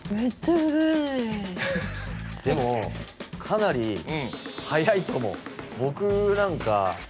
でもかなり早いと思う。